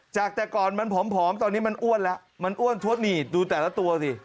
จากแต่ก่อนมันผอมตอนนี้มันอ้วนแล้วมันอ้วนทวดหนีดดูแต่ละตัวสิ